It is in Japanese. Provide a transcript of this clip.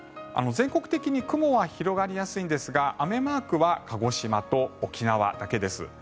全国的に雲は広がりやすいですが雨マークは鹿児島と沖縄です。